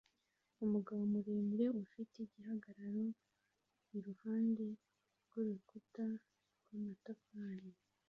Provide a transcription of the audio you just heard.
Umugabo muremure ufite igihagararo iruhande rwurukuta rwamatafari